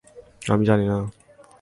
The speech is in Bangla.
আমি জানি না।